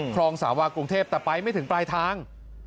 คลองสาวากรุงเทพแต่ไปไม่ถึงปลายทาง